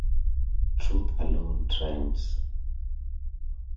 Truth alone triumphs.